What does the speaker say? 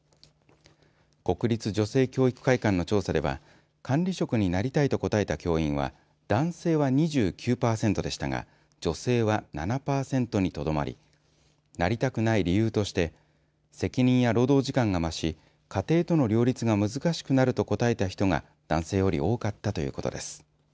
国立女性教育会館の調査では管理職になりたいと答えた教員は男性は２９パーセントでしたが女性は７パーセントにとどまりなりたくない理由として責任や労働時間が増し家庭との両立が難しくなると答えた人が男性より多かったということです。